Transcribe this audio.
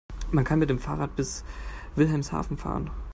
Man kann mit dem Fahrrad bis Wilhelmshaven fahren